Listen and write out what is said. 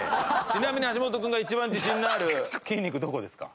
ちなみに橋本君が一番自信のある筋肉どこですか？